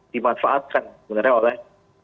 dimanfaatkan sebenarnya oleh